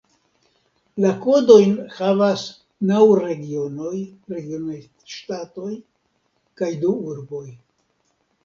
La kodojn havas naŭ regionoj (regionaj ŝtatoj) kaj du urboj.